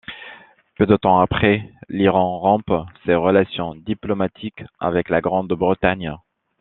Peu de temps après, l'Iran rompt ses relations diplomatiques avec la Grande-Bretagne.